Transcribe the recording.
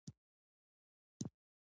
خط ته لوستونکي په اسانه نه متوجه کېږي: